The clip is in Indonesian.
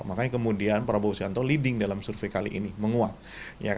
makanya kemudian prabowo subianto leading dalam survei kali ini menguat